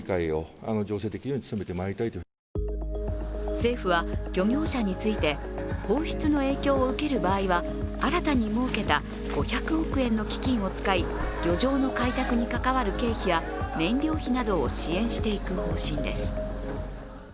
政府は漁業者について、放出の影響を受ける場合は新たに設けた５００億円の基金を使い漁場の開拓に関わる経費や燃料費などを支援していく方針です。